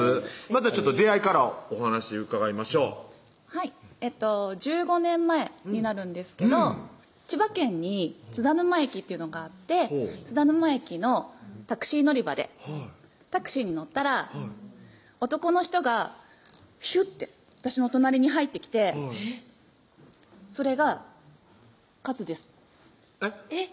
まずは出会いからお話伺いましょうはい１５年前になるんですけど千葉県に津田沼駅っていうのがあって津田沼駅のタクシー乗り場でタクシーに乗ったら男の人がひゅって私の隣に入ってきてえぇっそれがかずですえっ？